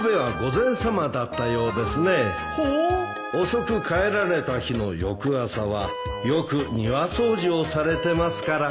遅く帰られた日の翌朝はよく庭掃除をされてますから